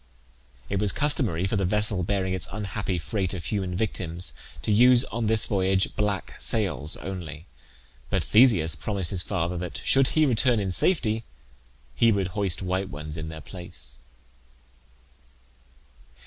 It was customary for the vessel bearing its unhappy freight of human victims to use on this voyage black sails only; but Theseus promised his father that, should he return in safety, he would hoist white ones in their place.